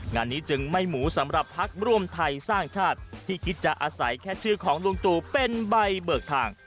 งานนี้จึงไม่หมูสำหรับพักร่วมไทยสร้างชาติที่คิดจะอาศัยแค่ชื่อของลุงตู่เป็นใบเบิกทาง